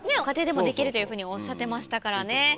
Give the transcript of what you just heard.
家庭でもできるというふうにおっしゃってましたからね。